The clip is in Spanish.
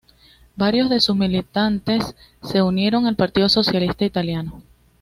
Varios de sus militantes se unieron al Partido Socialista Italiano.